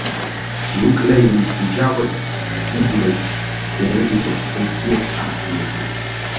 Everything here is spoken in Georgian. ნუკლეინის მჟავები უჯრედში გენეტიკურ ფუნქციებს ასრულებენ.